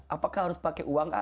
apakah harus pakai uang